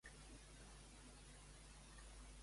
El gran èxit de Rivera enterra el partit de l'odi.